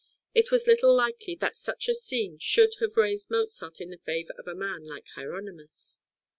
It was little likely that such a scene should have raised Mozart in the favour of a man like Hieronymus.